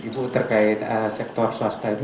ibu terkait sektor swasta ini